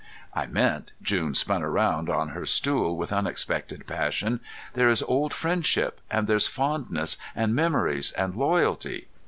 "I meant," June spun around on her stool with unexpected passion, "there is old friendship, and there's fondness, and memories, and loyalty!"